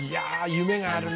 「夢があるね」。